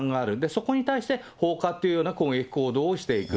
そこに対して放火っていうような攻撃行動をしていく。